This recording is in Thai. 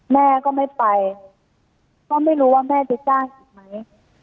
แม่ก็ไม่ไปก็ไม่รู้ว่าแม่จะจ้างอีกไหม